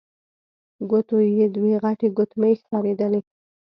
ګوتو يې دوې غټې ګوتمۍ ښکارېدلې.